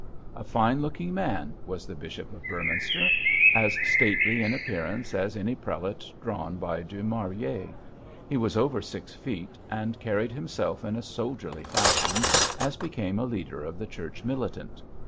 A fine looking man was the Bishop of Beorminster; as stately in appearance as any prelate drawn by Du Maurier. He was over six feet, and carried himself in a soldierly fashion, as became a leader of the Church Militant.